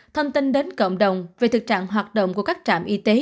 thông tin đến cộng đồng về thực trạng hoạt động của các trạm y tế